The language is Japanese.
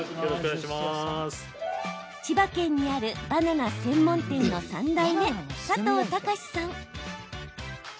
千葉県にあるバナナ専門店の３代目、佐藤隆史さん。